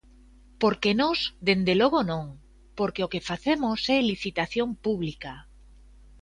Porque nós dende logo non, porque o que facemos é licitación pública.